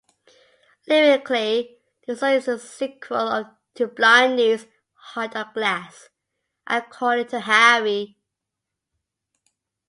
Lyrically, the song is the sequel to Blondie's "Heart of Glass", according to Harry.